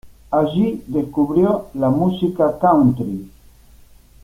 Allí descubrió la música country.